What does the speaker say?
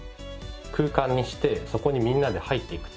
空間にしてそこにみんなで入っていく。